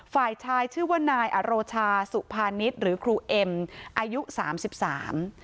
ฝ่ายชายชื่อว่านายอโรชาสุภานิษฐ์หรือครูเอ็มอายุสามสิบสาม